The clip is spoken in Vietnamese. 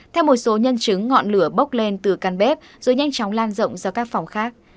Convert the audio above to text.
theo một số nhân chứng ngọn lửa bốc lên từ căn bếp rồi nhanh chóng lan rộng ra các phòng khác